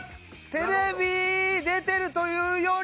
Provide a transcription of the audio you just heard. テレビ出てるというよりはうん。